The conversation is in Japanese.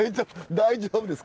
大丈夫ですか？